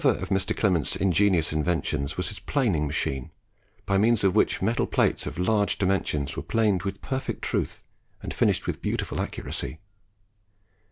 Another of Mr. Clement's ingenious inventions was his Planing Machine, by means of which metal plates of large dimensions were planed with perfect truth and finished with beautiful accuracy.